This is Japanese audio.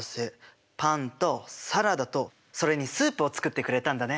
パンとサラダとそれにスープを作ってくれたんだね。